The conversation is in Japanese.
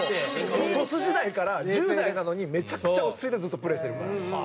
鳥栖時代から１０代なのにめちゃくちゃ落ち着いてずっとプレーしてるから。